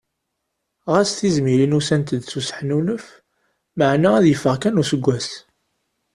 Ɣas tizmilin ussant-d s useḥnunef maɛna ad yeffeɣ kan useggas.